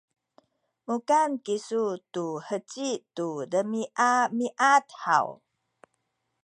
mukan kisu tu heci tu demiamiad haw?